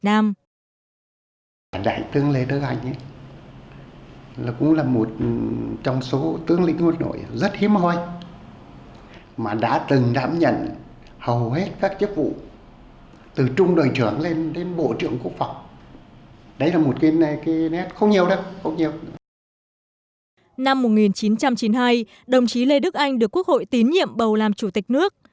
năm một nghìn chín trăm chín mươi hai đồng chí lê đức anh được quốc hội tín nhiệm bầu làm chủ tịch nước